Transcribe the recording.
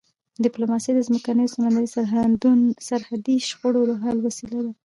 ډیپلوماسي د ځمکني او سمندري سرحدي شخړو د حل وسیله ده.